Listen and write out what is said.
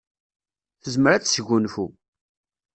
Tezmer ad tesgunfu.